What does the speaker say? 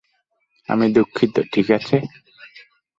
আমি দুঃখিত, ঠিক আছে?